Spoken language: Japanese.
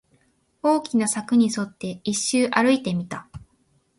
大きな柵に沿って、一周歩いてみた